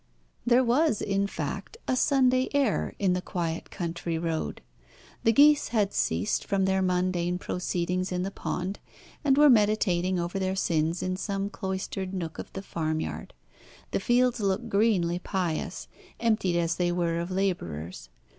There was, in fact, a Sunday air in the quiet country road. The geese had ceased from their mundane proceedings in the pond, and were meditating over their sins in some cloistered nook of the farmyard. The fields looked greenly pious, emptied as they were of labourers.